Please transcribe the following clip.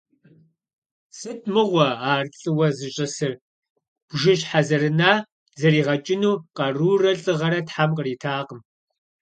Сыт мыгъуэ ар лӀыуэ зищӀысыр, – бжыщхьэ зэрына зэригъэкӀыну къарурэ лӀыгъэрэ Тхьэм къритакъым.